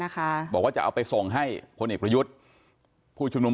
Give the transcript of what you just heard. บอกว่าจะเอาไปส่งให้พลเอกประยุทธ์ผู้ชุมนุม